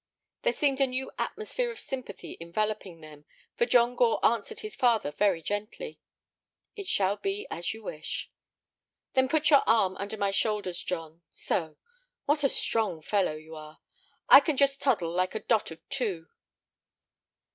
There seemed a new atmosphere of sympathy enveloping them, for John Gore answered his father very gently. "It shall be as you wish." "Then put your arm under my shoulders, John—so. What a strong fellow you are! I can just toddle like a dot of two."